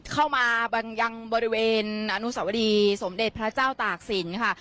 เข้ามายังบริเวณอนุสวรีสมเด็จพระเจ้าตากศิลป์ค่ะ